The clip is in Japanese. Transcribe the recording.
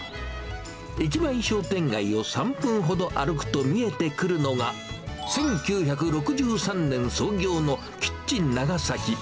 駅前商店街を３分ほど歩くと見えてくるのが、１９６３年創業のキッチン長崎。